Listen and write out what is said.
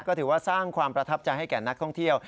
ก็ถือว่าสร้างความประทับใจให้แก่นักท่องเที่ยว